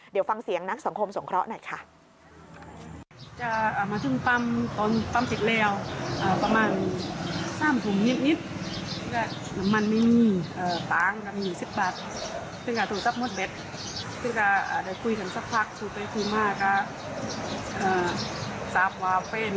เดี๋ยวฟังเสียงนักสังคมสงเคราะห์หน่อยค่ะ